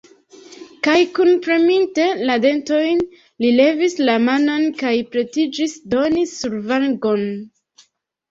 Kaj, kunpreminte la dentojn, li levis la manon kaj pretiĝis doni survangon.